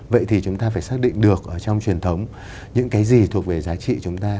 vậy thì chúng ta phải xác định được trong truyền thống những cái gì thuộc về giá trị chúng ta